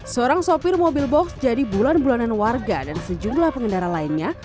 seorang sopir mobil box jadi bulan bulanan warga dan sejumlah pengendara lainnya